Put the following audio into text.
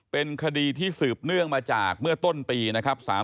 เป็นคดีที่สืบเนื่องมาจากเมื่อต้นปีนะครับ